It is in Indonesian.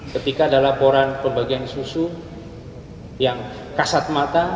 ketika ada laporan pembagian susu yang kasat mata